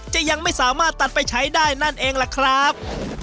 ยังไม่สามารถตัดไปใช้ได้นั่นเองล่ะครับ